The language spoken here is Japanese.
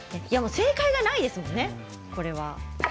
正解はないですからね。